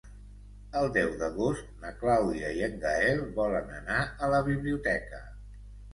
El deu d'agost na Clàudia i en Gaël volen anar a la biblioteca.